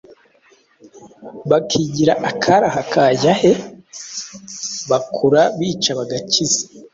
bakigira akari aha kajya he? Bagakura bica bagakiza.